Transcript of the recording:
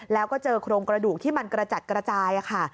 แล้วก็เจอโครงกระดูกที่มันกระจัดกระจายค่ะ